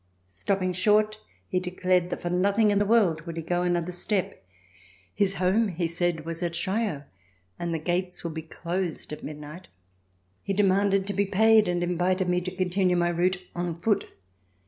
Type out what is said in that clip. Stopping short, he declared that for nothing in the world would he go another step. Mis home he said was at Chaillot, and the gates would be closed at midnight. He demanded to be paid and invited me to continue my route on foot.